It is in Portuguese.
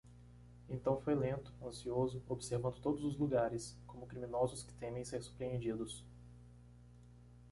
Então foi lento, ansioso, observando todos os lugares, como criminosos que temem ser surpreendidos.